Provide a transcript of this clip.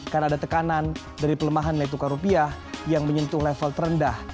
karena ada tekanan dari pelemahan net tukar rupiah yang menyentuh level terendah